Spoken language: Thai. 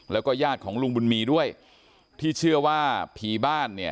แล้วก็ญาติของลุงบุญมีด้วยที่เชื่อว่าผีบ้านเนี่ย